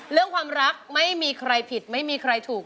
เรื่องความรักไม่มีใครผิดไม่มีใครถูก